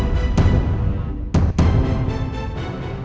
nanti saya beli obat obatan itu pak